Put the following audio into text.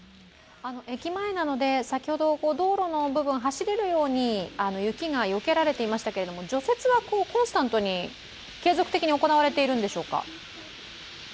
駅前なので、先ほど道路の部分、走れるように雪がよけられていましたけれども除雪はコンスタントに、継続的に行われているんでしょうか？